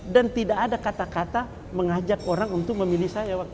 dan tidak ada kata kata mengajak orang untuk memilih saya